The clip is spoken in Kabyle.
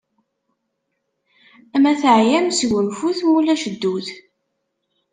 Ma teɛyam, sgunfut, mulac ddut.